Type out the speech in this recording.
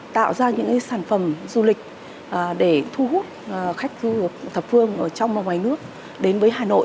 tạo ra những sản phẩm du lịch để thu hút khách du thập phương trong và ngoài nước đến với hà nội